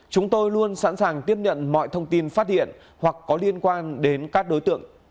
chúng tôi luôn sẵn sàng tiếp nhận mọi thông tin phát hiện hoặc có liên quan đến các đối tượng